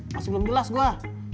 masih belum jelas gua